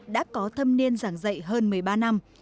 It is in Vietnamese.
đã có thâm niên giảng dạy hơn một mươi ba năm